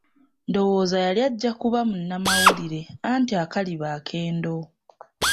Ndowooza yali ajja kuba munnamawulire, anti akaliba akendo.